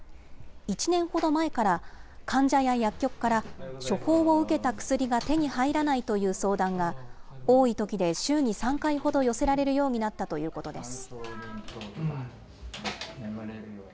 １年ほど前から、患者や薬局から、処方を受けた薬が手に入らないという相談が、多いときで週に３回ほど、寄せられるようになったということです。